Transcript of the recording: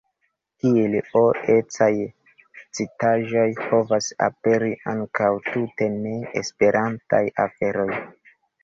Kiel O-ecaj citaĵoj povas aperi ankaŭ tute ne-Esperantaj aferoj.